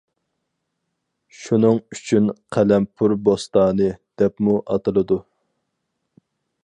شۇنىڭ ئۈچۈن «قەلەمپۇر بوستانى» دەپمۇ ئاتىلىدۇ.